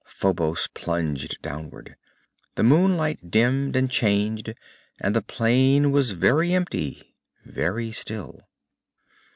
Phobos plunged downward. The moonlight dimmed and changed, and the plain was very empty, very still.